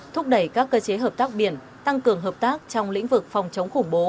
thúc đẩy các cơ chế hợp tác biển tăng cường hợp tác trong lĩnh vực phòng chống khủng bố